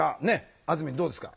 あずみんどうですか？